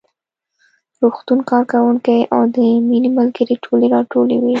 روغتون کارکوونکي او د مينې ملګرې ټولې راټولې وې